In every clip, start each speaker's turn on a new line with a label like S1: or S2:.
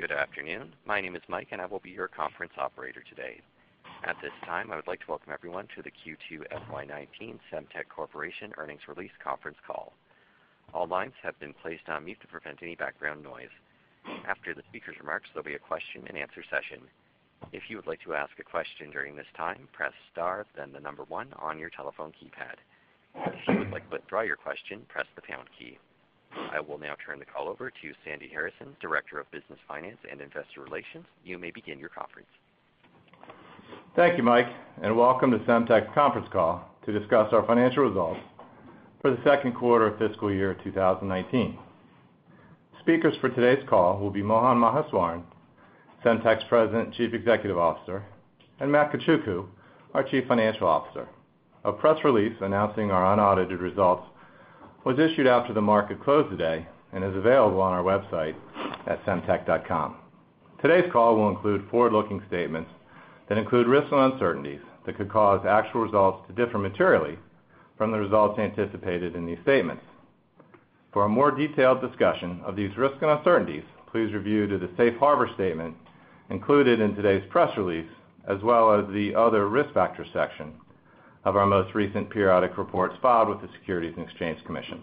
S1: Good afternoon. My name is Mike, and I will be your conference operator today. At this time, I would like to welcome everyone to the Q2 FY 2019 Semtech Corporation earnings release conference call. All lines have been placed on mute to prevent any background noise. After the speaker's remarks, there'll be a question and answer session. If you would like to ask a question during this time, press star, then the number one on your telephone keypad. If you would like to withdraw your question, press the pound key. I will now turn the call over to Sandy Harrison, Director of Business Finance and Investor Relations. You may begin your conference.
S2: Thank you, Mike, and welcome to Semtech's conference call to discuss our financial results for the second quarter of fiscal year 2019. Speakers for today's call will be Mohan Maheswaran, Semtech's President and Chief Executive Officer, and Emeka Chukwu, our Chief Financial Officer. A press release announcing our unaudited results was issued after the market closed today and is available on our website at semtech.com. Today's call will include forward-looking statements that include risks and uncertainties that could cause actual results to differ materially from the results anticipated in these statements. For a more detailed discussion of these risks and uncertainties, please review the safe harbor statement included in today's press release, as well as the Other Risk Factors section of our most recent periodic reports filed with the Securities and Exchange Commission.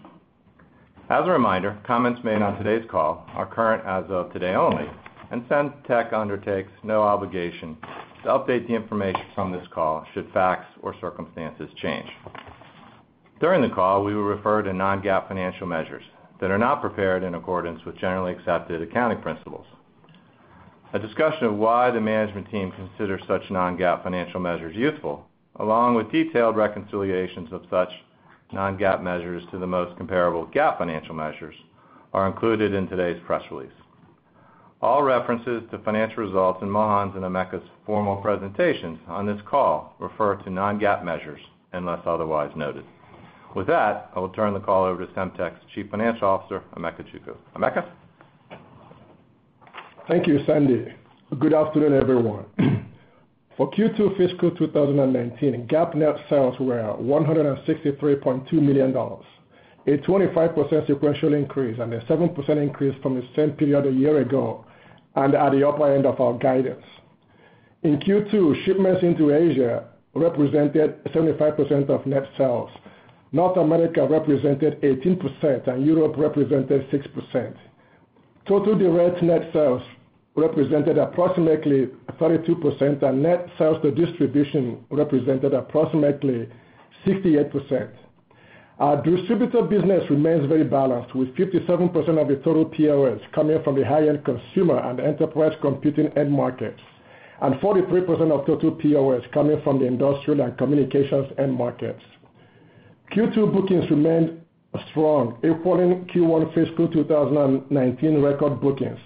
S2: As a reminder, comments made on today's call are current as of today only, and Semtech undertakes no obligation to update the information from this call should facts or circumstances change. During the call, we will refer to non-GAAP financial measures that are not prepared in accordance with generally accepted accounting principles. A discussion of why the management team consider such non-GAAP financial measures useful, along with detailed reconciliations of such non-GAAP measures to the most comparable GAAP financial measures, are included in today's press release. All references to financial results in Mohan's and Emeka's formal presentations on this call refer to non-GAAP measures unless otherwise noted. With that, I will turn the call over to Semtech's Chief Financial Officer, Emeka Chukwu. Emeka?
S3: Thank you, Sandy. Good afternoon, everyone. For Q2 fiscal 2019, GAAP net sales were $163.2 million, a 25% sequential increase and a 7% increase from the same period a year ago, and at the upper end of our guidance. In Q2, shipments into Asia represented 75% of net sales. North America represented 18%, and Europe represented 6%. Total direct net sales represented approximately 32%, and net sales to distribution represented approximately 68%. Our distributor business remains very balanced, with 57% of the total POS coming from the high-end consumer and enterprise computing end markets, and 43% of total POS coming from the industrial and communications end markets. Q2 bookings remained strong, equaling Q1 fiscal 2019 record bookings,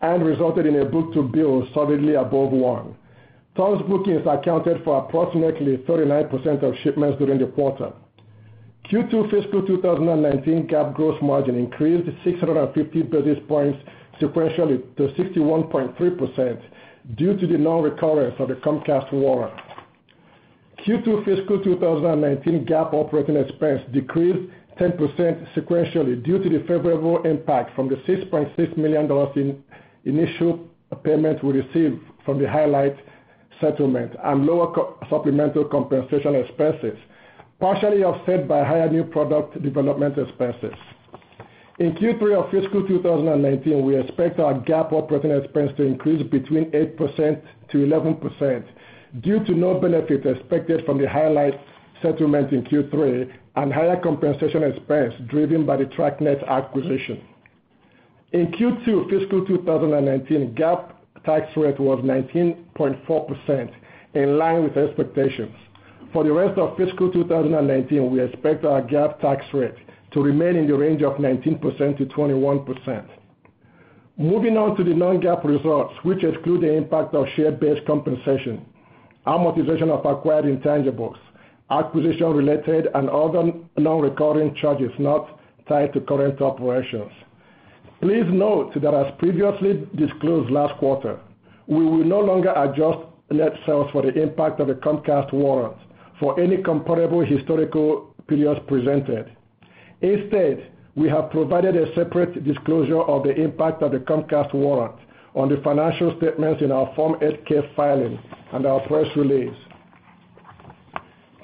S3: and resulted in a book-to-bill solidly above one. Total bookings accounted for approximately 39% of shipments during the quarter. Q2 fiscal 2019 GAAP gross margin increased 650 basis points sequentially to 61.3% due to the non-recurrence of the Comcast warrant. Q2 fiscal 2019 GAAP operating expense decreased 10% sequentially due to the favorable impact from the $6.6 million in initial payment we received from the HiLight settlement and lower supplemental compensation expenses, partially offset by higher new product development expenses. In Q3 of fiscal 2019, we expect our GAAP operating expense to increase between 8%-11% due to no benefit expected from the HiLight settlement in Q3 and higher compensation expense driven by the TrackNet acquisition. In Q2 fiscal 2019, GAAP tax rate was 19.4%, in line with expectations. For the rest of fiscal 2019, we expect our GAAP tax rate to remain in the range of 19%-21%. Moving on to the non-GAAP results, which exclude the impact of share-based compensation, amortization of acquired intangibles, acquisition-related and other non-recurring charges not tied to current operations. Please note that as previously disclosed last quarter, we will no longer adjust net sales for the impact of the Comcast warrants for any comparable historical periods presented. Instead, we have provided a separate disclosure of the impact of the Comcast warrant on the financial statements in our Form 8-K filing and our press release.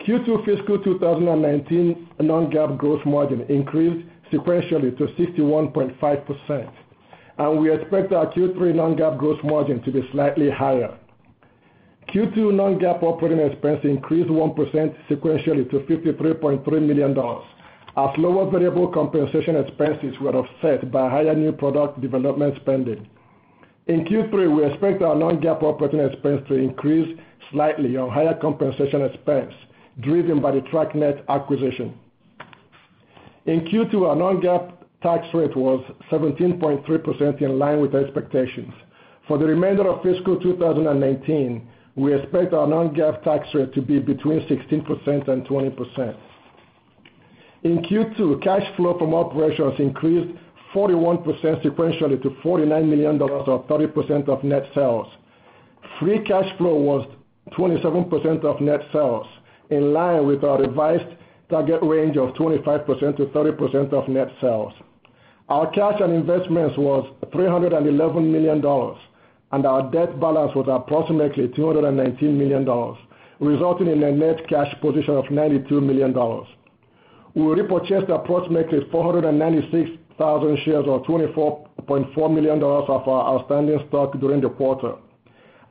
S3: Q2 fiscal 2019 non-GAAP gross margin increased sequentially to 61.5%, and we expect our Q3 non-GAAP gross margin to be slightly higher. Q2 non-GAAP operating expense increased 1% sequentially to $53.3 million, as lower variable compensation expenses were offset by higher new product development spending. In Q3, we expect our non-GAAP operating expense to increase slightly on higher compensation expense driven by the TrackNet acquisition. In Q2, our non-GAAP tax rate was 17.3%, in line with expectations. For the remainder of fiscal 2019, we expect our non-GAAP tax rate to be between 16% and 20%. In Q2, cash flow from operations increased 41% sequentially to $49 million or 30% of net sales. Free cash flow was 27% of net sales, in line with our revised target range of 25%-30% of net sales. Our cash and investments was $311 million and our debt balance was approximately $219 million, resulting in a net cash position of $92 million. We repurchased approximately 496,000 shares, or $24.4 million of our outstanding stock during the quarter.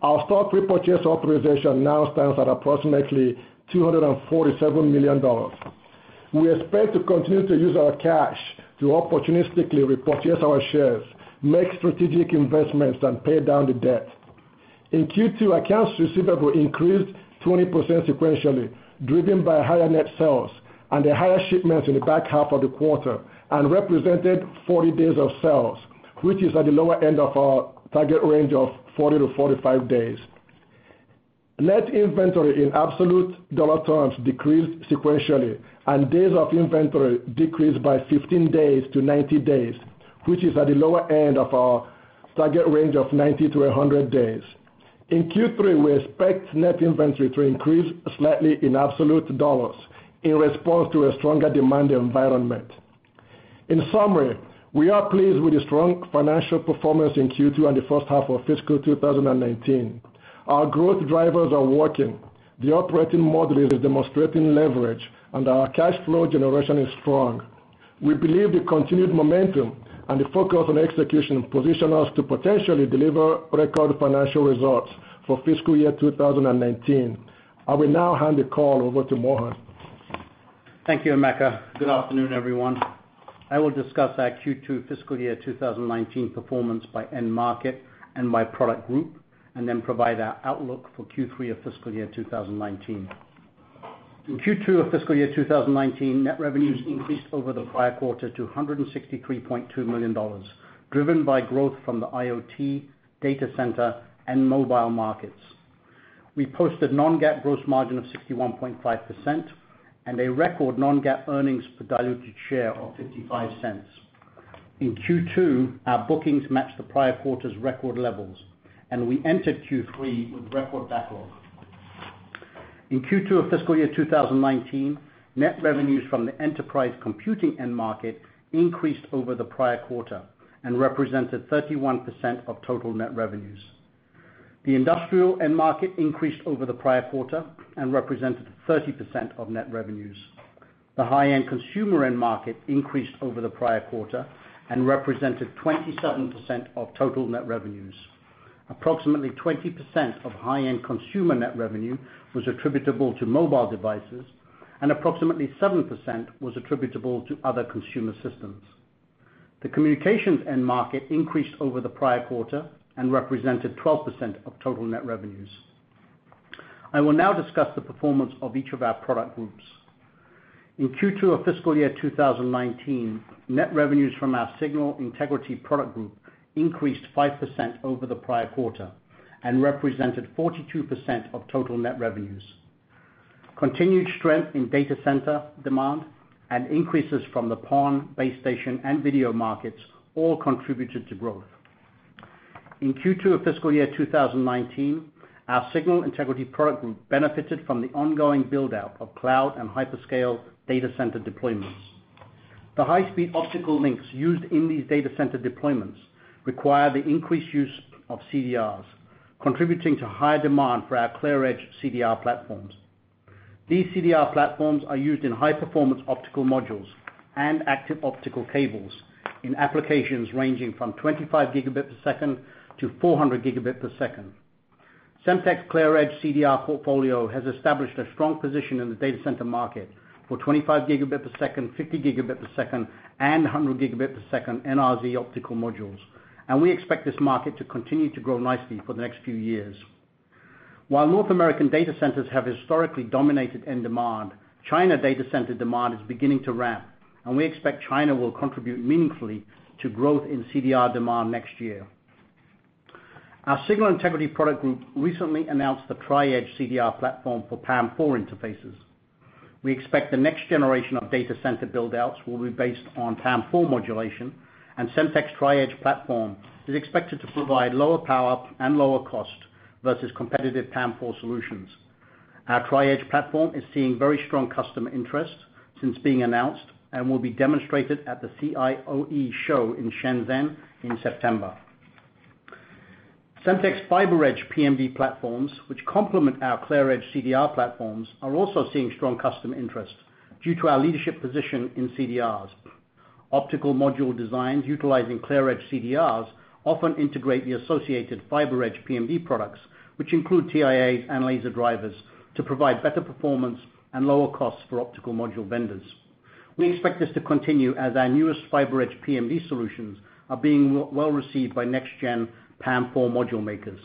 S3: Our stock repurchase authorization now stands at approximately $247 million. We expect to continue to use our cash to opportunistically repurchase our shares, make strategic investments, and pay down the debt. In Q2, accounts receivable increased 20% sequentially, driven by higher net sales and the higher shipments in the back half of the quarter, and represented 40 days of sales, which is at the lower end of our target range of 40-45 days. Net inventory in absolute dollar terms decreased sequentially, and days of inventory decreased by 15 days to 90 days, which is at the lower end of our target range of 90-100 days. In Q3, we expect net inventory to increase slightly in absolute dollars in response to a stronger demand environment. In summary, we are pleased with the strong financial performance in Q2 and the first half of fiscal 2019. Our growth drivers are working. The operating model is demonstrating leverage and our cash flow generation is strong. We believe the continued momentum and the focus on execution position us to potentially deliver record financial results for fiscal year 2019. I will now hand the call over to Mohan.
S4: Thank you, Emeka. Good afternoon, everyone. I will discuss our Q2 fiscal year 2019 performance by end market and by product group, and then provide our outlook for Q3 of fiscal year 2019. In Q2 of fiscal year 2019, net revenues increased over the prior quarter to $163.2 million, driven by growth from the IoT, data center, and mobile markets. We posted non-GAAP gross margin of 61.5% and a record non-GAAP earnings per diluted share of $0.55. In Q2, our bookings matched the prior quarter's record levels, and we entered Q3 with record backlog. In Q2 of fiscal year 2019, net revenues from the enterprise computing end market increased over the prior quarter and represented 31% of total net revenues. The industrial end market increased over the prior quarter and represented 30% of net revenues. The high-end consumer end market increased over the prior quarter and represented 27% of total net revenues. Approximately 20% of high-end consumer net revenue was attributable to mobile devices and approximately 7% was attributable to other consumer systems. The communications end market increased over the prior quarter and represented 12% of total net revenues. I will now discuss the performance of each of our product groups. In Q2 of fiscal year 2019, net revenues from our signal integrity product group increased 5% over the prior quarter and represented 42% of total net revenues. Continued strength in data center demand and increases from the PON, base station, and video markets all contributed to growth. In Q2 of fiscal year 2019, our signal integrity product group benefited from the ongoing build-out of cloud and hyperscale data center deployments. The high-speed optical links used in these data center deployments require the increased use of CDRs, contributing to high demand for our ClearEdge CDR platforms. These CDR platforms are used in high-performance optical modules and active optical cables in applications ranging from 25 gigabits per second-400 gigabits per second. Semtech's ClearEdge CDR portfolio has established a strong position in the data center market for 25 gigabit per second, 50 gigabit per second, and 100 gigabit per second NRZ optical modules, and we expect this market to continue to grow nicely for the next few years. While North American data centers have historically dominated end demand, China data center demand is beginning to ramp, and we expect China will contribute meaningfully to growth in CDR demand next year. Our signal integrity product group recently announced the Tri-Edge CDR platform for PAM4 interfaces. We expect the next generation of data center build-outs will be based on PAM4 modulation and Semtech's Tri-Edge platform is expected to provide lower power and lower cost versus competitive PAM4 solutions. Our Tri-Edge platform is seeing very strong customer interest since being announced, and will be demonstrated at the CIOE show in Shenzhen in September. Semtech's FiberEdge PMD platforms, which complement our ClearEdge CDR platforms, are also seeing strong customer interest due to our leadership position in CDRs. Optical module designs utilizing ClearEdge CDRs often integrate the associated FiberEdge PMD products, which include TIAs and laser drivers to provide better performance and lower costs for optical module vendors. We expect this to continue as our newest FiberEdge PMD solutions are being well received by next gen PAM4 module makers.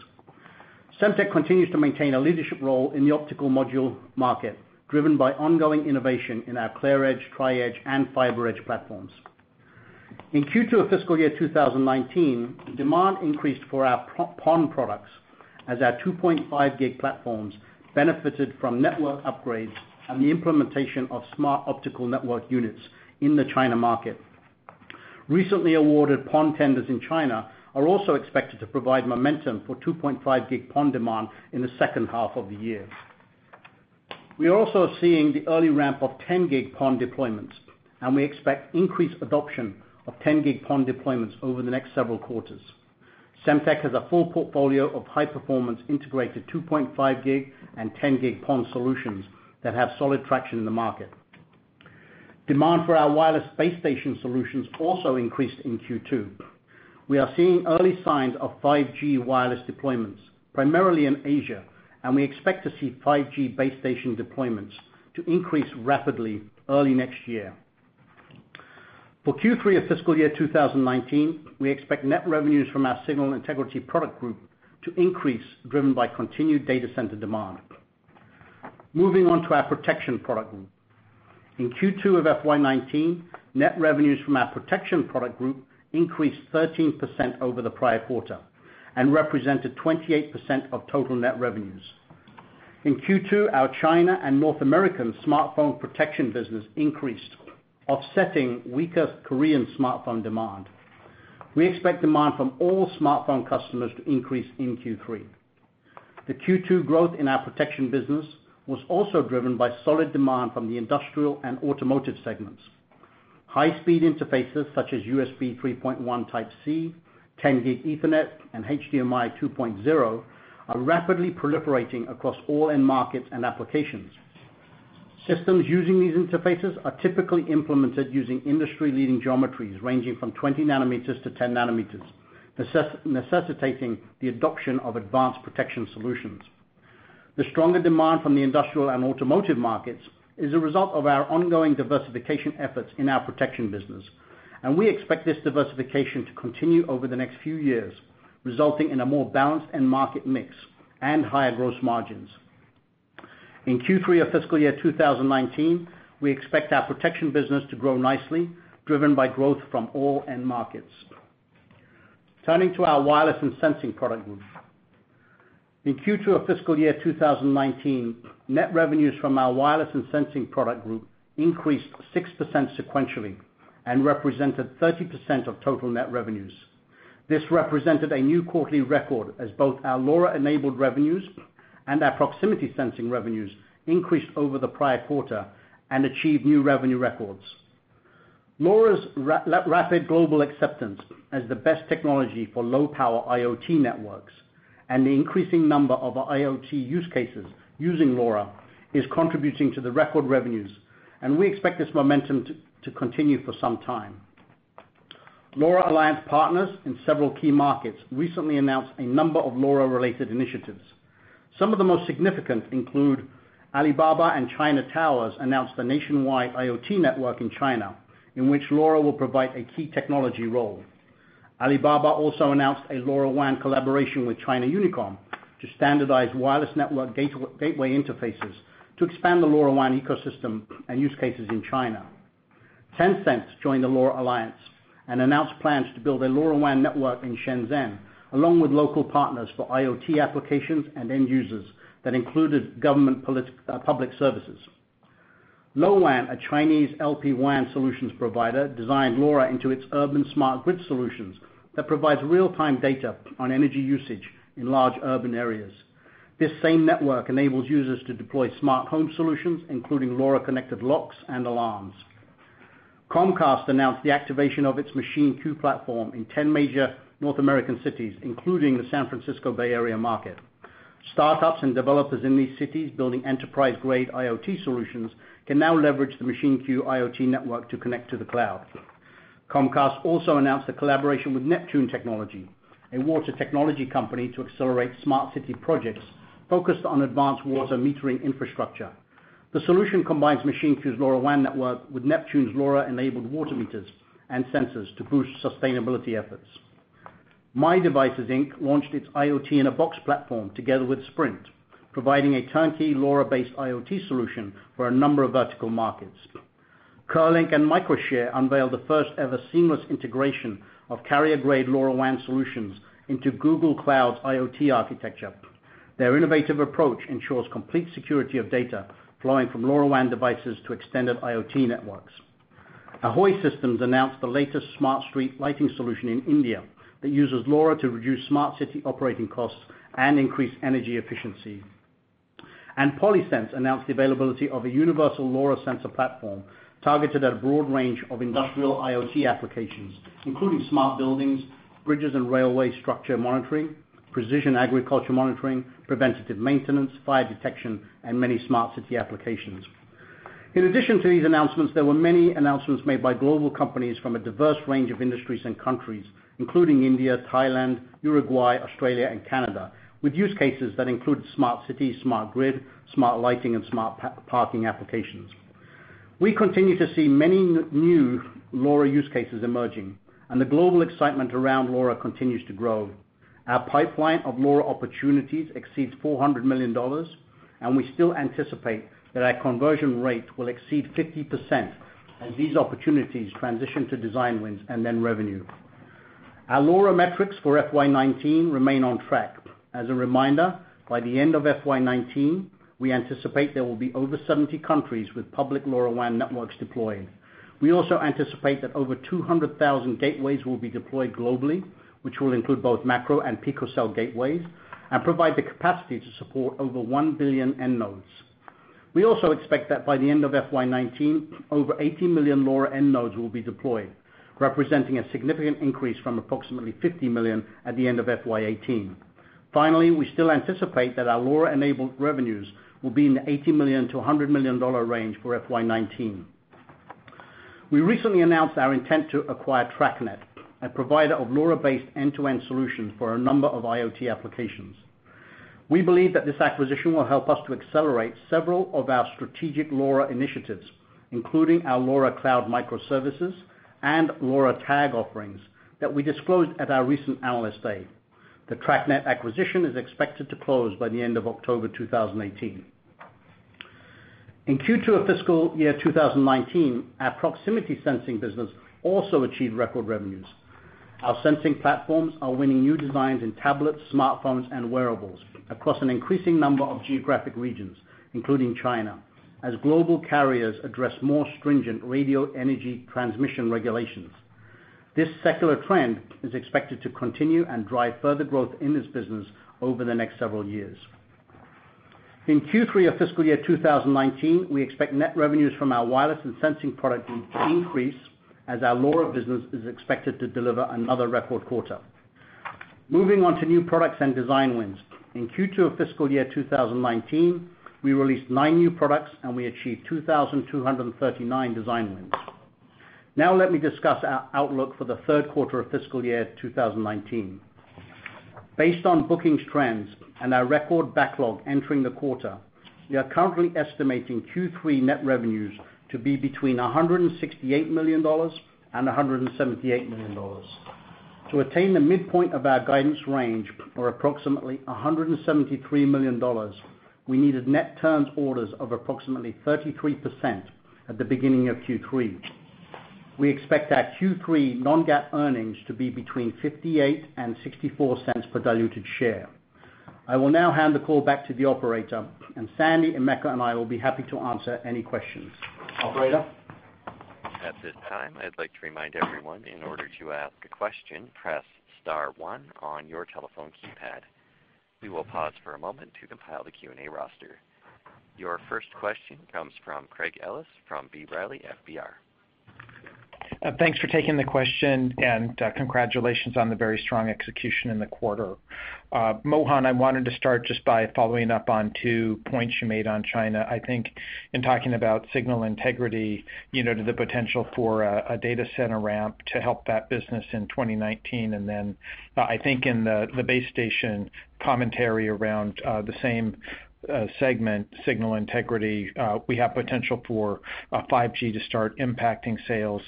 S4: Semtech continues to maintain a leadership role in the optical module market, driven by ongoing innovation in our ClearEdge, Tri-Edge, and FiberEdge platforms. In Q2 of fiscal year 2019, demand increased for our PON products as our 2.5G platforms benefited from network upgrades and the implementation of smart optical network units in the China market. Recently awarded PON tenders in China are also expected to provide momentum for 2.5G PON demand in the second half of the year. We are also seeing the early ramp of 10G PON deployments, and we expect increased adoption of 10G PON deployments over the next several quarters. Semtech has a full portfolio of high-performance integrated 2.5G and 10G PON solutions that have solid traction in the market. Demand for our wireless base station solutions also increased in Q2. We are seeing early signs of 5G wireless deployments, primarily in Asia, and we expect to see 5G base station deployments to increase rapidly early next year. For Q3 of fiscal year 2019, we expect net revenues from our signal integrity product group to increase, driven by continued data center demand. Moving on to our protection product group. In Q2 of FY 2019, net revenues from our protection product group increased 13% over the prior quarter and represented 28% of total net revenues. In Q2, our China and North American smartphone protection business increased, offsetting weaker Korean smartphone demand. We expect demand from all smartphone customers to increase in Q3. The Q2 growth in our protection business was also driven by solid demand from the industrial and automotive segments. High-speed interfaces such as USB 3.1 Type-C, 10 Gigabit Ethernet, and HDMI 2.0 are rapidly proliferating across all end markets and applications. Systems using these interfaces are typically implemented using industry-leading geometries ranging from 20 nanometers to 10 nanometers, necessitating the adoption of advanced protection solutions. The stronger demand from the industrial and automotive markets is a result of our ongoing diversification efforts in our protection business, and we expect this diversification to continue over the next few years, resulting in a more balanced end market mix and higher gross margins. In Q3 of fiscal year 2019, we expect our protection business to grow nicely, driven by growth from all end markets. Turning to our wireless and sensing product group. In Q2 of fiscal year 2019, net revenues from our wireless and sensing product group increased 6% sequentially and represented 30% of total net revenues. This represented a new quarterly record as both our LoRa-enabled revenues and our proximity sensing revenues increased over the prior quarter and achieved new revenue records. LoRa's rapid global acceptance as the best technology for low-power IoT networks and the increasing number of IoT use cases using LoRa is contributing to the record revenues, and we expect this momentum to continue for some time. LoRa Alliance partners in several key markets recently announced a number of LoRa-related initiatives. Some of the most significant include Alibaba and China Tower announced a nationwide IoT network in China, in which LoRa will provide a key technology role. Alibaba also announced a LoRaWAN collaboration with China Unicom to standardize wireless network gateway interfaces to expand the LoRaWAN ecosystem and use cases in China. Tencent joined the LoRa Alliance and announced plans to build a LoRaWAN network in Shenzhen, along with local partners for IoT applications and end users that included government public services. Lolan, a Chinese LPWAN solutions provider, designed LoRa into its urban smart grid solutions that provides real-time data on energy usage in large urban areas. This same network enables users to deploy smart home solutions, including LoRa-connected locks and alarms. Comcast announced the activation of its MachineQ platform in 10 major North American cities, including the San Francisco Bay Area market. Startups and developers in these cities building enterprise-grade IoT solutions can now leverage the MachineQ IoT network to connect to the cloud. Comcast also announced a collaboration with Neptune Technology, a water technology company, to accelerate smart city projects focused on advanced water metering infrastructure. The solution combines MachineQ's LoRaWAN network with Neptune's LoRa-enabled water meters and sensors to boost sustainability efforts. myDevices Inc. launched its IoT in a Box platform together with Sprint, providing a turnkey LoRa-based IoT solution for a number of vertical markets. Kerlink and Microshare unveiled the first-ever seamless integration of carrier-grade LoRaWAN solutions into Google Cloud's IoT architecture. Their innovative approach ensures complete security of data flowing from LoRaWAN devices to extended IoT networks. Ahoy Systems announced the latest smart street lighting solution in India that uses LoRa to reduce smart city operating costs and increase energy efficiency. Polysense announced the availability of a universal LoRa sensor platform targeted at a broad range of industrial IoT applications, including smart buildings, bridges and railway structure monitoring, precision agriculture monitoring, preventative maintenance, fire detection, and many smart city applications. In addition to these announcements, there were many announcements made by global companies from a diverse range of industries and countries, including India, Thailand, Uruguay, Australia, and Canada, with use cases that include smart cities, smart grid, smart lighting, and smart parking applications. We continue to see many new LoRa use cases emerging, and the global excitement around LoRa continues to grow. Our pipeline of LoRa opportunities exceeds $400 million, and we still anticipate that our conversion rate will exceed 50% as these opportunities transition to design wins and then revenue. Our LoRa metrics for FY 2019 remain on track. As a reminder, by the end of FY 2019, we anticipate there will be over 70 countries with public LoRaWAN networks deployed. We also anticipate that over 200,000 gateways will be deployed globally, which will include both macro and picocell gateways, and provide the capacity to support over 1 billion end nodes. We also expect that by the end of FY 2019, over 80 million LoRa end nodes will be deployed, representing a significant increase from approximately 50 million at the end of FY 2018. We still anticipate that our LoRa-enabled revenues will be in the $80 million to $100 million range for FY 2019. We recently announced our intent to acquire TrackNet, a provider of LoRa-based end-to-end solutions for a number of IoT applications. We believe that this acquisition will help us to accelerate several of our strategic LoRa initiatives, including our LoRa Cloud microservices and LoRa tag offerings that we disclosed at our recent Analyst Day. The TrackNet acquisition is expected to close by the end of October 2018. In Q2 of fiscal year 2019, our proximity sensing business also achieved record revenues. Our sensing platforms are winning new designs in tablets, smartphones, and wearables across an increasing number of geographic regions, including China, as global carriers address more stringent radio energy transmission regulations. This secular trend is expected to continue and drive further growth in this business over the next several years. In Q3 of fiscal year 2019, we expect net revenues from our wireless and sensing products to increase as our LoRa business is expected to deliver another record quarter. Moving on to new products and design wins. In Q2 of fiscal year 2019, we released nine new products and we achieved 2,239 design wins. Let me discuss our outlook for the third quarter of fiscal year 2019. Based on bookings trends and our record backlog entering the quarter, we are currently estimating Q3 net revenues to be between $168 million and $178 million. To attain the midpoint of our guidance range for approximately $173 million, we needed net turns orders of approximately 33% at the beginning of Q3. We expect our Q3 non-GAAP earnings to be between $0.58 and $0.64 per diluted share. I will now hand the call back to the operator, and Sandy and Emeka and I will be happy to answer any questions. Operator?
S1: At this time, I'd like to remind everyone, in order to ask a question, press *1 on your telephone keypad. We will pause for a moment to compile the Q&A roster. Your first question comes from Craig Ellis from B. Riley FBR.
S5: Thanks for taking the question, and congratulations on the very strong execution in the quarter. Mohan, I wanted to start just by following up on two points you made on China, I think in talking about signal integrity, to the potential for a data center ramp to help that business in 2019, and then I think in the base station commentary around the same segment, signal integrity, we have potential for 5G to start impacting sales.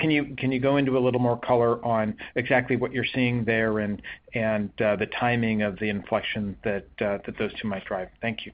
S5: Can you go into a little more color on exactly what you're seeing there and the timing of the inflection that those two might drive? Thank you.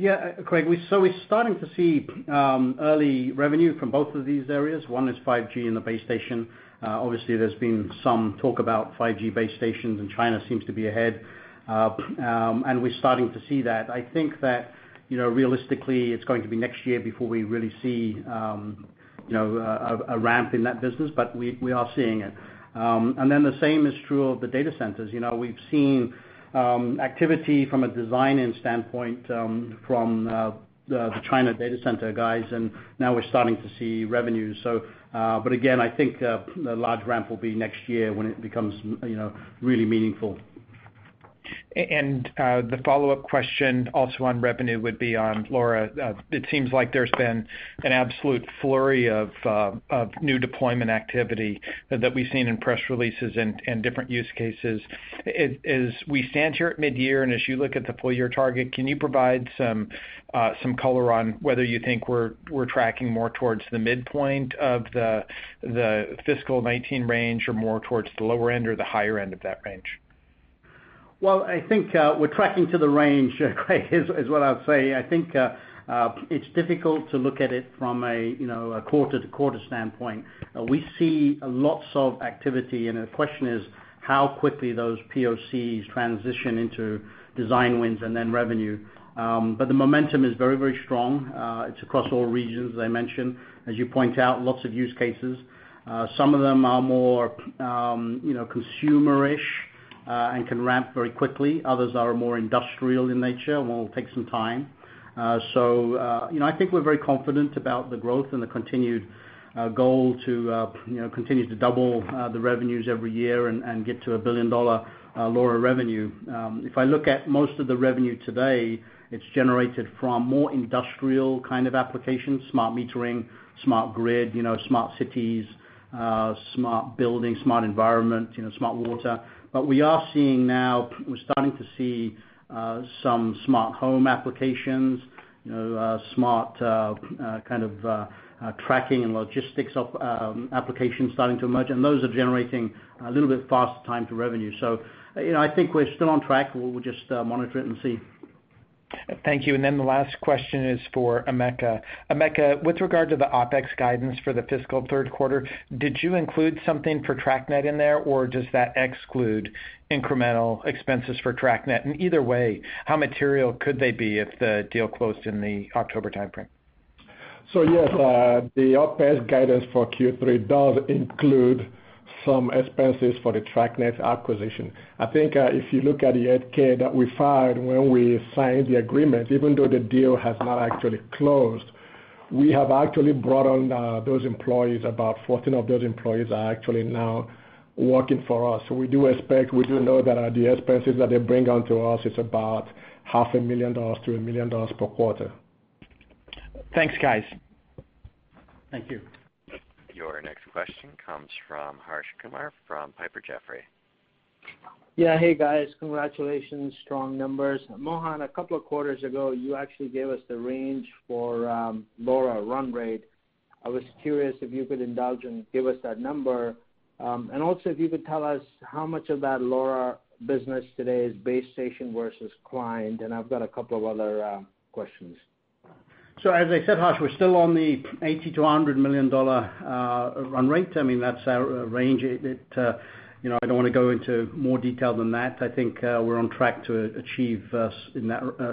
S4: Yeah, Craig. We're starting to see early revenue from both of these areas. One is 5G and the base station. Obviously, there's been some talk about 5G base stations, and China seems to be ahead. We're starting to see that. I think that realistically, it's going to be next year before we really see a ramp in that business, but we are seeing it. Then the same is true of the data centers. We've seen activity from a design-in standpoint from the China data center guys, and now we're starting to see revenues. Again, I think a large ramp will be next year when it becomes really meaningful.
S5: The follow-up question also on revenue would be on LoRa. It seems like there's been an absolute flurry of new deployment activity that we've seen in press releases and different use cases. As we stand here at mid-year, and as you look at the full-year target, can you provide some color on whether you think we're tracking more towards the midpoint of the fiscal 2019 range or more towards the lower end or the higher end of that range?
S4: I think we're tracking to the range, Craig, is what I would say. I think it's difficult to look at it from a quarter-to-quarter standpoint. We see lots of activity, and the question is how quickly those POCs transition into design wins and then revenue. The momentum is very, very strong. It's across all regions, as I mentioned. As you point out, lots of use cases. Some of them are more consumer-ish and can ramp very quickly. Others are more industrial in nature and will take some time. I think we're very confident about the growth and the continued goal to continue to double the revenues every year and get to a billion-dollar LoRa revenue. If I look at most of the revenue today, it's generated from more industrial kind of applications, smart metering, smart grid, smart cities, smart building, smart environment, smart water. We are seeing now, we're starting to see some smart home applications, smart kind of tracking and logistics applications starting to emerge, and those are generating a little bit faster time to revenue. I think we're still on track. We'll just monitor it and see.
S5: Thank you. Then the last question is for Emeka. Emeka, with regard to the OpEx guidance for the fiscal third quarter, did you include something for TrackNet in there, or does that exclude incremental expenses for TrackNet? And either way, how material could they be if the deal closed in the October timeframe?
S3: Yes, the OpEx guidance for Q3 does include some expenses for the TrackNet acquisition. I think if you look at the 8-K that we filed when we signed the agreement, even though the deal has not actually closed, we have actually brought on those employees. About 14 of those employees are actually now working for us. We do know that the expenses that they bring on to us, it's about half a million dollars to a million dollars per quarter.
S5: Thanks, guys.
S4: Thank you.
S1: Your next question comes from Harsh Kumar from Piper Jaffray.
S6: Yeah. Hey, guys. Congratulations. Strong numbers. Mohan, a couple of quarters ago, you actually gave us the range for LoRa run rate. I was curious if you could indulge and give us that number. Also, if you could tell us how much of that LoRa business today is base station versus client, and I've got a couple of other questions.
S4: As I said, Harsh, we're still on the $80 million-$100 million run rate. That's our range. I don't want to go into more detail than that. I think we're on track to achieve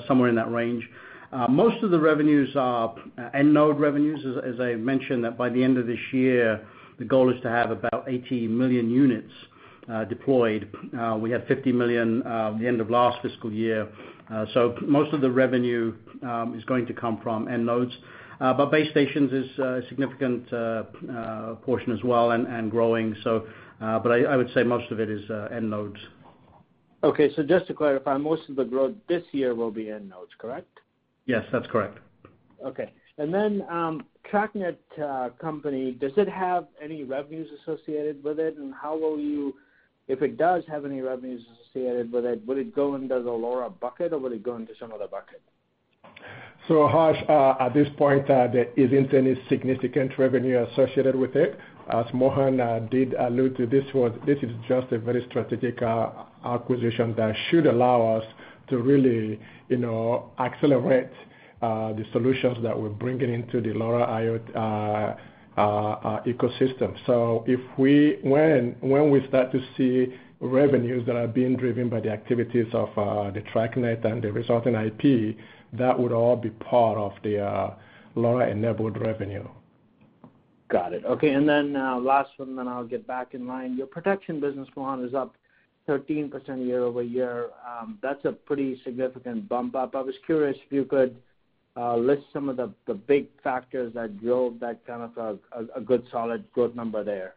S4: somewhere in that range. Most of the revenues are end node revenues, as I mentioned, that by the end of this year, the goal is to have about 80 million units deployed. We had 50 million at the end of last fiscal year. Most of the revenue is going to come from end nodes. Base stations is a significant portion as well and growing. I would say most of it is end nodes.
S6: Okay. Just to clarify, most of the growth this year will be end nodes, correct?
S4: Yes, that's correct.
S6: Okay. TrackNet, does it have any revenues associated with it? If it does have any revenues associated with it, will it go into the LoRa bucket or will it go into some other bucket?
S3: Harsh, at this point, there isn't any significant revenue associated with it. As Mohan did allude to, this is just a very strategic acquisition that should allow us to really accelerate the solutions that we're bringing into the LoRa IoT ecosystem. When we start to see revenues that are being driven by the activities of the TrackNet and the resulting IP, that would all be part of the LoRa enabled revenue.
S6: Got it. Okay. Last one, then I'll get back in line. Your protection business, Mohan, is up 13% year-over-year. That's a pretty significant bump up. I was curious if you could list some of the big factors that drove that kind of a good, solid growth number there.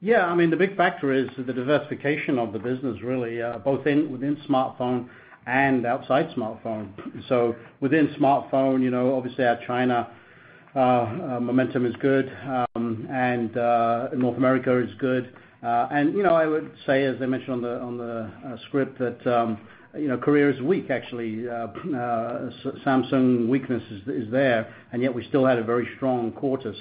S4: Yeah. The big factor is the diversification of the business, really, both within smartphone and outside smartphone. Within smartphone, obviously our China momentum is good, and North America is good. I would say, as I mentioned on the script, that Korea is weak, actually. Samsung weakness is there, and yet we still had a very strong quarter,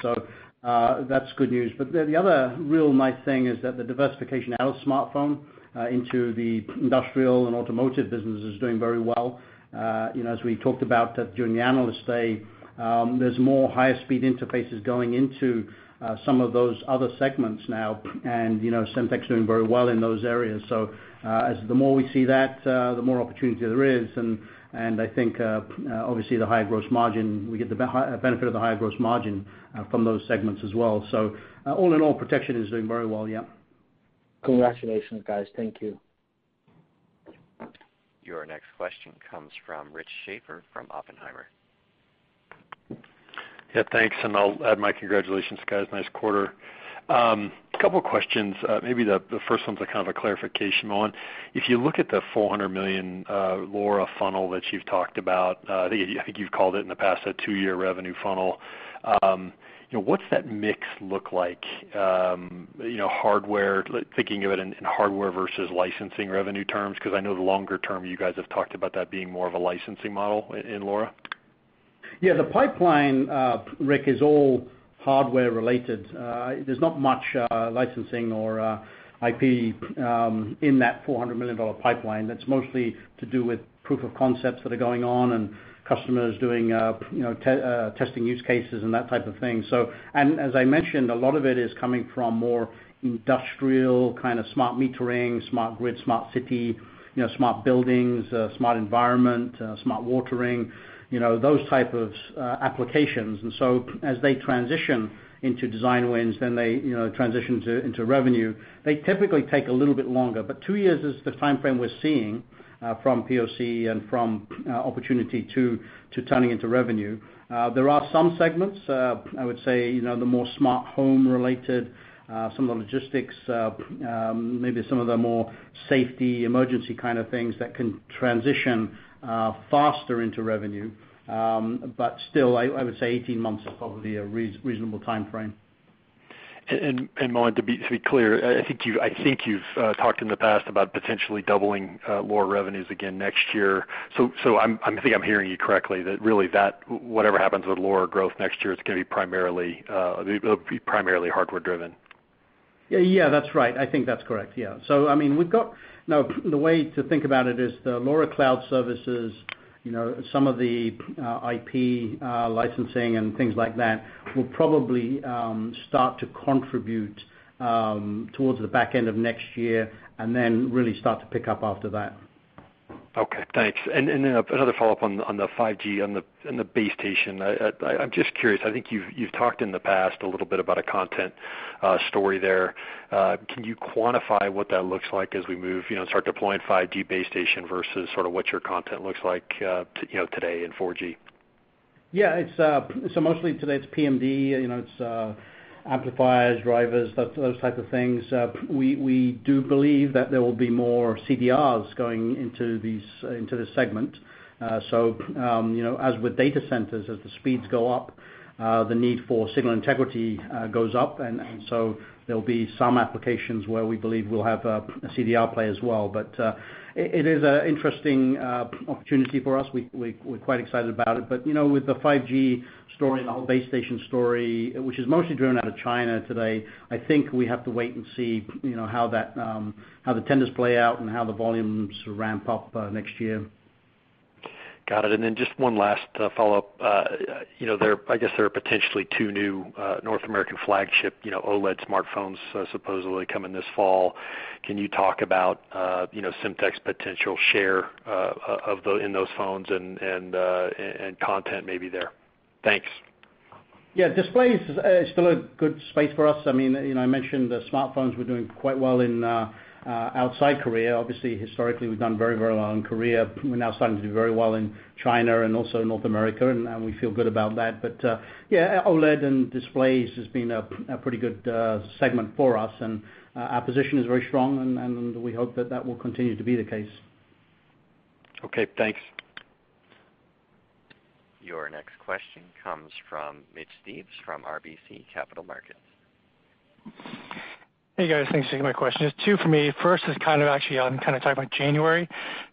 S4: that's good news. The other real nice thing is that the diversification out of smartphone into the industrial and automotive business is doing very well. As we talked about during the Analyst Day, there's more higher speed interfaces going into some of those other segments now, and Semtech's doing very well in those areas. As the more we see that, the more opportunity there is, and I think obviously the higher gross margin, we get the benefit of the higher gross margin from those segments as well. All in all, protection is doing very well, yeah.
S6: Congratulations, guys. Thank you.
S1: Your next question comes from Rick Schafer from Oppenheimer.
S7: Thanks. I'll add my congratulations, guys. Nice quarter. Couple questions. Maybe the first one's a kind of a clarification, Mohan. If you look at the $400 million LoRa funnel that you've talked about, I think you've called it in the past a 2-year revenue funnel. What's that mix look like? Thinking of it in hardware versus licensing revenue terms, I know the longer term you guys have talked about that being more of a licensing model in LoRa.
S4: The pipeline, Rick, is all hardware related. There's not much licensing or IP in that $400 million pipeline. That's mostly to do with proof of concepts that are going on and customers doing testing use cases and that type of thing. As I mentioned, a lot of it is coming from more industrial kind of smart metering, smart grid, smart city, smart buildings, smart environment, smart watering, those type of applications. As they transition into design wins, then they transition into revenue. They typically take a little bit longer, but 2 years is the timeframe we're seeing from POC and from opportunity to turning into revenue. There are some segments, I would say, the more smart home related, some of the logistics, maybe some of the more safety, emergency kind of things that can transition faster into revenue. Still, I would say 18 months is probably a reasonable timeframe.
S7: Mohan, to be clear, I think you've talked in the past about potentially doubling LoRa revenues again next year. I think I'm hearing you correctly that really that whatever happens with LoRa growth next year it'll be primarily hardware driven.
S4: That's right. I think that's correct. The way to think about it is the LoRa Cloud services, some of the IP licensing and things like that, will probably start to contribute towards the back end of next year and then really start to pick up after that.
S7: Thanks. Another follow-up on the 5G, on the base station. I'm just curious, I think you've talked in the past a little bit about a content story there. Can you quantify what that looks like as we start deploying 5G base station versus sort of what your content looks like today in 4G?
S4: Mostly today it's PMD, it's amplifiers, drivers, those types of things. We do believe that there will be more CDRs going into this segment. As with data centers, as the speeds go up, the need for signal integrity goes up. There'll be some applications where we believe we'll have a CDR play as well. It is an interesting opportunity for us. We're quite excited about it. With the 5G story and the whole base station story, which is mostly driven out of China today, I think we have to wait and see how the tenders play out and how the volumes ramp up next year.
S7: Got it. Just one last follow-up. I guess there are potentially two new North American flagship OLED smartphones supposedly coming this fall. Can you talk about Semtech's potential share in those phones and content maybe there? Thanks.
S4: Yeah. Display's still a good space for us. I mentioned the smartphones were doing quite well outside Korea. Obviously, historically, we've done very well in Korea. We're now starting to do very well in China and also North America, and we feel good about that. Yeah, OLED and displays has been a pretty good segment for us, and our position is very strong, and we hope that that will continue to be the case.
S7: Okay, thanks.
S1: Your next question comes from Mitch Steves from RBC Capital Markets.
S8: Hey, guys. Thanks for taking my questions. Two for me. First is actually on kind of talking about January.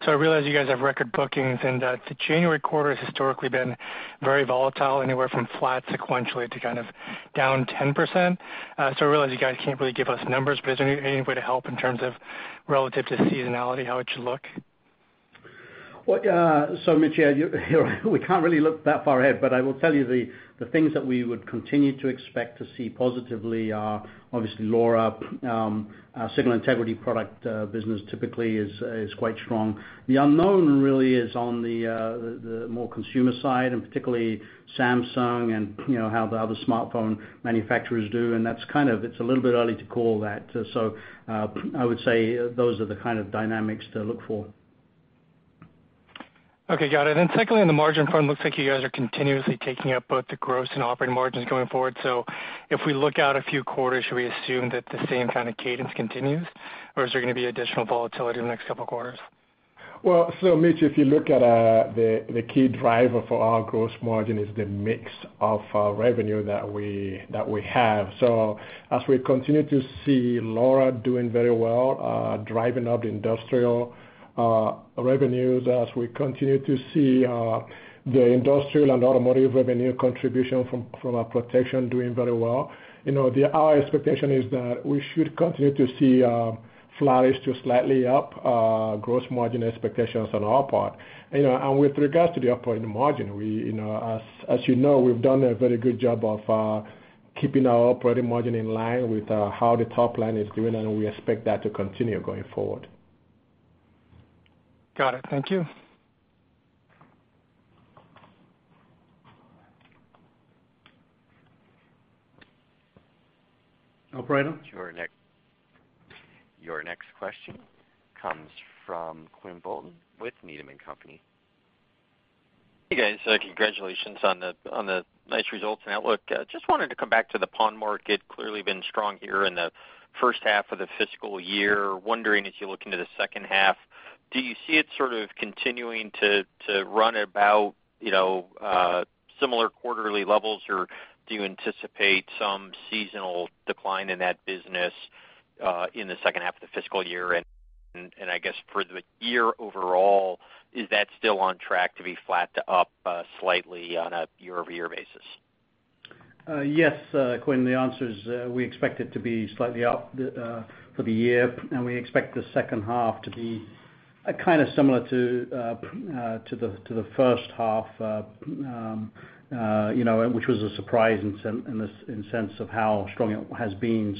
S8: I realize you guys have record bookings, and the January quarter has historically been very volatile, anywhere from flat sequentially to kind of down 10%. I realize you guys can't really give us numbers, but is there any way to help in terms of relative to seasonality, how it should look?
S4: Mitch, yeah, we can't really look that far ahead, but I will tell you the things that we would continue to expect to see positively are obviously LoRa. Our signal integrity product business typically is quite strong. The unknown really is on the more consumer side, and particularly Samsung and how the other smartphone manufacturers do, and it's a little bit early to call that. I would say those are the kind of dynamics to look for.
S8: Okay, got it. Secondly, on the margin front, looks like you guys are continuously taking up both the gross and operating margins going forward. If we look out a few quarters, should we assume that the same kind of cadence continues, or is there going to be additional volatility in the next couple of quarters?
S3: Well, Mitch, if you look at the key driver for our gross margin is the mix of revenue that we have. As we continue to see LoRa doing very well, driving up industrial revenues, as we continue to see the industrial and automotive revenue contribution from our protection doing very well, our expectation is that we should continue to see a flat-ish to slightly up gross margin expectations on our part. With regards to the operating margin, as you know, we've done a very good job of keeping our operating margin in line with how the top line is doing, and we expect that to continue going forward.
S8: Got it. Thank you.
S4: Operator?
S1: Your next question comes from Quinn Bolton with Needham & Company.
S9: Hey, guys. Congratulations on the nice results and outlook. Just wanted to come back to the PON market. Clearly been strong here in the first half of the fiscal year. Wondering if you look into the second half, do you see it sort of continuing to run about similar quarterly levels, or do you anticipate some seasonal decline in that business, in the second half of the fiscal year? I guess for the year overall, is that still on track to be flat to up slightly on a year-over-year basis?
S4: Yes, Quinn, the answer is we expect it to be slightly up for the year, and we expect the second half to be kind of similar to the first half, which was a surprise in the sense of how strong it has been.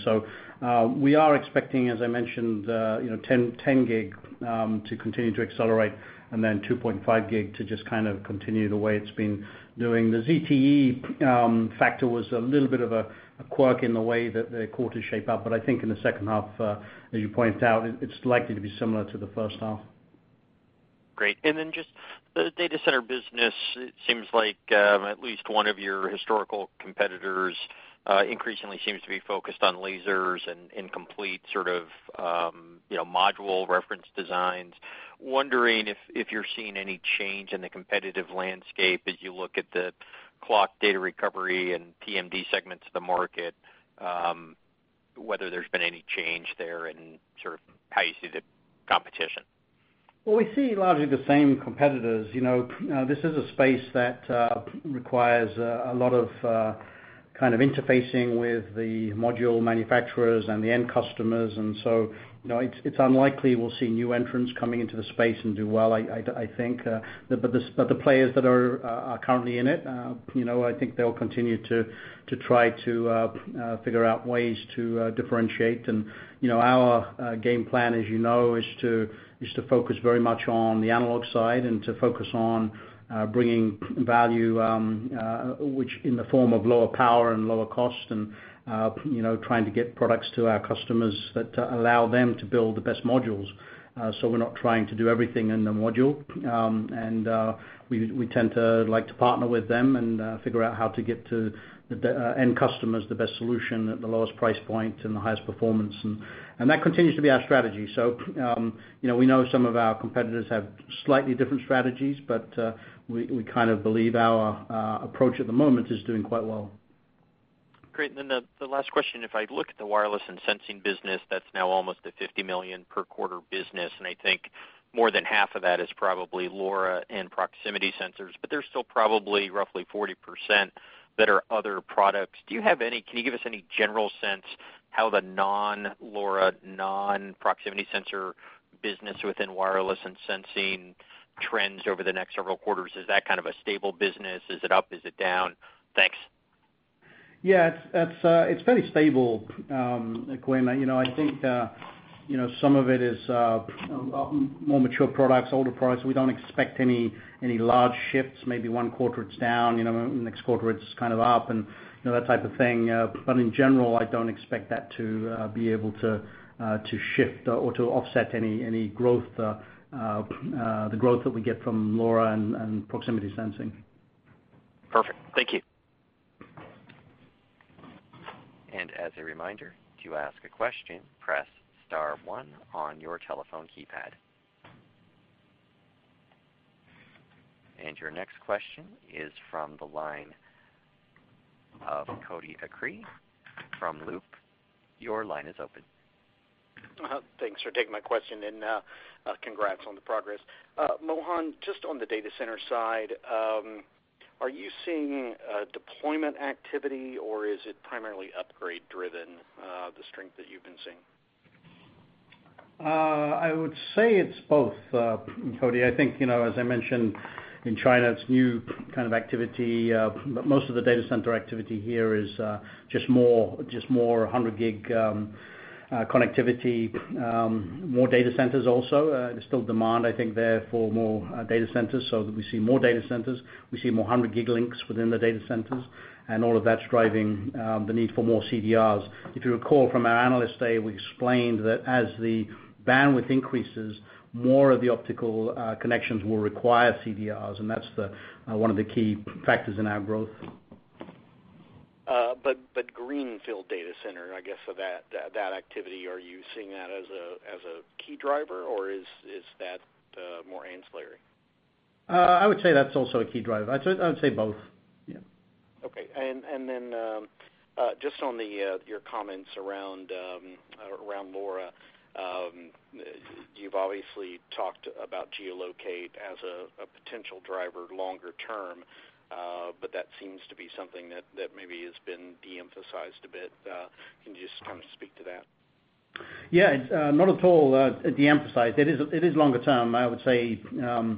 S4: We are expecting, as I mentioned 10 gig to continue to accelerate and then 2.5 gig to just kind of continue the way it's been doing. The ZTE factor was a little bit of a quirk in the way that the quarter shape up. I think in the second half, as you pointed out, it's likely to be similar to the first half.
S9: Great. Just the data center business, it seems like at least one of your historical competitors increasingly seems to be focused on lasers and complete sort of module reference designs. Wondering if you're seeing any change in the competitive landscape as you look at the clock data recovery and PMD segments of the market, whether there's been any change there in sort of how you see the competition.
S4: Well, we see largely the same competitors. This is a space that requires a lot of interfacing with the module manufacturers and the end customers. It's unlikely we'll see new entrants coming into the space and do well, I think. The players that are currently in it, I think they'll continue to try to figure out ways to differentiate. Our game plan, as you know, is to focus very much on the analog side and to focus on bringing value, which in the form of lower power and lower cost, and trying to get products to our customers that allow them to build the best modules. We're not trying to do everything in the module. We tend to like to partner with them and figure out how to get to the end customers the best solution at the lowest price point and the highest performance. That continues to be our strategy. We know some of our competitors have slightly different strategies, but we believe our approach at the moment is doing quite well.
S9: Great. The last question, if I look at the wireless and sensing business, that's now almost a $50 million per quarter business, and I think more than half of that is probably LoRa and proximity sensors, but there's still probably roughly 40% that are other products. Can you give us any general sense how the non-LoRa, non-proximity sensor business within wireless and sensing trends over the next several quarters? Is that kind of a stable business? Is it up? Is it down? Thanks.
S4: Yeah. It's fairly stable, Quinn. I think some of it is more mature products, older products. We don't expect any large shifts. Maybe one quarter it's down, next quarter it's kind of up, and that type of thing. In general, I don't expect that to be able to shift or to offset the growth that we get from LoRa and proximity sensing.
S9: Perfect. Thank you.
S1: As a reminder, to ask a question, press *1 on your telephone keypad. Your next question is from the line of Cody Acree from Loop. Your line is open.
S10: Thanks for taking my question, congrats on the progress. Mohan, just on the data center side, are you seeing deployment activity or is it primarily upgrade driven, the strength that you've been seeing?
S4: I would say it's both, Cody. I think, as I mentioned, in China, it's new kind of activity. Most of the data center activity here is just more 100G connectivity. More data centers also. There's still demand, I think, there for more data centers, so we see more data centers. We see more 100G links within the data centers. All of that's driving the need for more CDRs. If you recall from our Analyst Day, we explained that as the bandwidth increases, more of the optical connections will require CDRs, and that's one of the key factors in our growth.
S10: Greenfield data center, I guess so that activity, are you seeing that as a key driver, or is that more ancillary?
S4: I would say that's also a key driver. I would say both. Yeah.
S10: Okay. Then just on your comments around LoRa. You've obviously talked about geolocation as a potential driver longer term. That seems to be something that maybe has been de-emphasized a bit. Can you just kind of speak to that?
S4: Yeah. Not at all de-emphasized. It is longer term. I would say I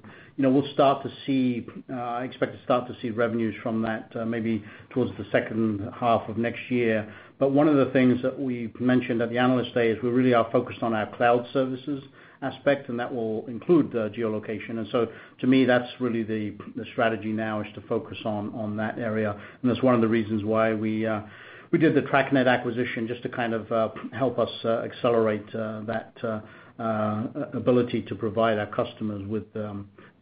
S4: expect to start to see revenues from that maybe towards the second half of next year. One of the things that we mentioned at the Analyst Day is we really are focused on our cloud services aspect, and that will include the geolocation. To me, that's really the strategy now, is to focus on that area. That's one of the reasons why we did the TrackNet acquisition just to kind of help us accelerate that ability to provide our customers with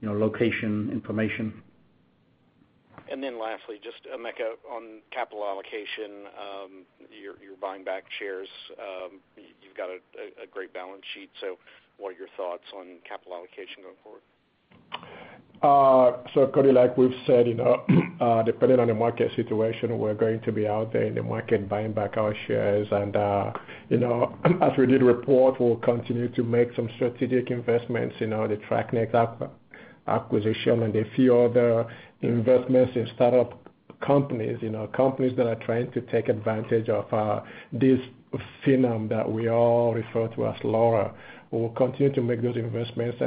S4: location information.
S10: Lastly, just Emeka on capital allocation. You're buying back shares. You've got a great balance sheet. What are your thoughts on capital allocation going forward?
S3: Cody, like we've said, depending on the market situation, we're going to be out there in the market buying back our shares. As we did report, we'll continue to make some strategic investments, the TrackNet acquisition and a few other investments in startup companies. Companies that are trying to take advantage of this phenom that we all refer to as LoRa. We'll continue to make those investments,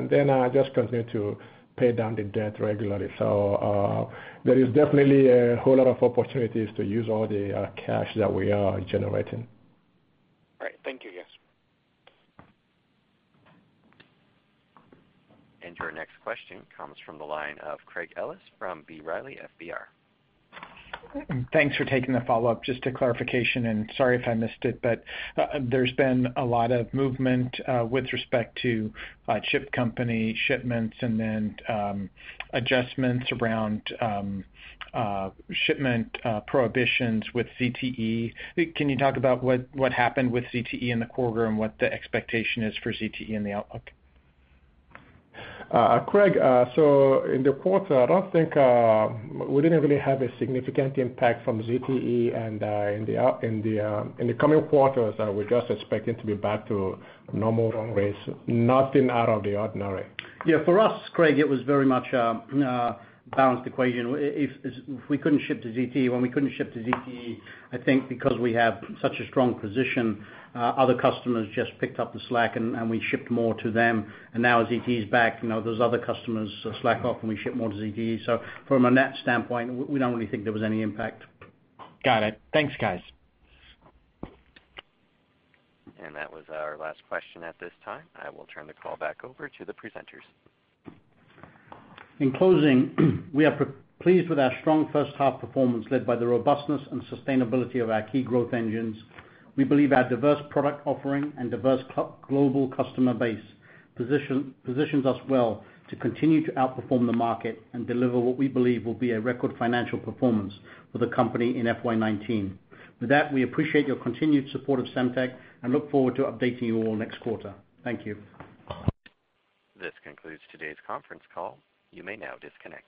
S3: just continue to pay down the debt regularly. There is definitely a whole lot of opportunities to use all the cash that we are generating.
S10: All right. Thank you. Yes.
S1: Your next question comes from the line of Craig Ellis from B. Riley FBR.
S5: Thanks for taking the follow-up. Just a clarification, and sorry if I missed it, but there's been a lot of movement with respect to chip company shipments and then adjustments around shipment prohibitions with ZTE. Can you talk about what happened with ZTE in the quarter and what the expectation is for ZTE in the outlook?
S3: Craig, in the quarter, we didn't really have a significant impact from ZTE. In the coming quarters, we're just expecting to be back to normal run rates, nothing out of the ordinary.
S4: Yeah. For us, Craig, it was very much a balanced equation. When we couldn't ship to ZTE, I think because we have such a strong position, other customers just picked up the slack and we shipped more to them. Now ZTE is back, those other customers slack off and we ship more to ZTE. From a net standpoint, we don't really think there was any impact.
S5: Got it. Thanks, guys.
S1: That was our last question at this time. I will turn the call back over to the presenters.
S4: In closing, we are pleased with our strong first half performance led by the robustness and sustainability of our key growth engines. We believe our diverse product offering and diverse global customer base positions us well to continue to outperform the market and deliver what we believe will be a record financial performance for the company in FY 2019. With that, we appreciate your continued support of Semtech and look forward to updating you all next quarter. Thank you.
S1: This concludes today's conference call. You may now disconnect.